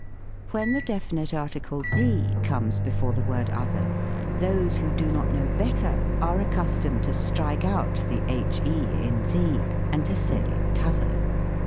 When the definite article the comes before the word 4 50 THE COMIC ENGLISH GRAMMAR. oilier, those who do not know better, are accustomed to strike out the he in the, and to say, t'other.